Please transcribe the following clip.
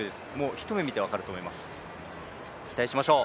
一目見て分かると思います。